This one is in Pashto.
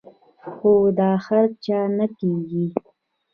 خو دا هر چاته نۀ کيږي -